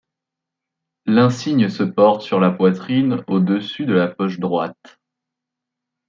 L'insigne se porte sur la poitrine au-dessus de la poche droite.